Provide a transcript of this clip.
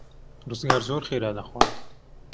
ڕزگار زۆر خێرا دەخوات.